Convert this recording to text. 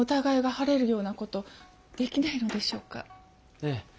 ええ。